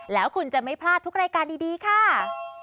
แล้วคุณจะไม่พลาดทุกรายการดีค่ะ